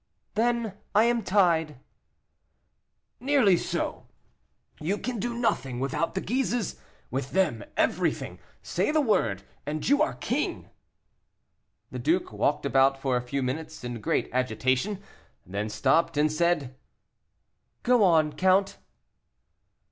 "Then I am tied." "Nearly so. You can do nothing without the Guises; with them, everything. Say the word, and you are king." The duke walked about for a few minutes, in great agitation, then stopped, and said, "Go on, count."